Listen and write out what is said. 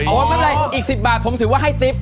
ไม่เป็นไรอีก๑๐บาทผมถือว่าให้ติ๊บ